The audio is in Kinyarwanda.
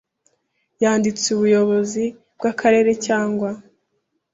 yanditse ubuyobozi bw akarere cyangwa